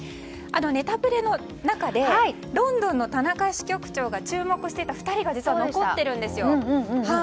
ネタプレの中でロンドンの田中支局長が注目していた２人が残っています。